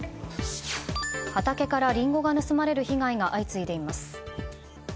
畑からリンゴが盗まれる被害が相次いでいます。